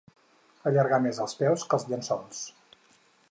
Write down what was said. Allargar més els peus que els llençols.